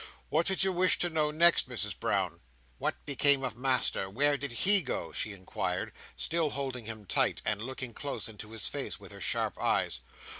"What did you wish to know next, Misses Brown?" "What became of Master? Where did he go?" she inquired, still holding him tight, and looking close into his face, with her sharp eyes.